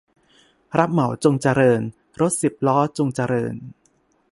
รับเหมาจงเจริญ รถสิบล้อจงเจริญ